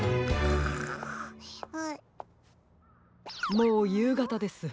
もうゆうがたです。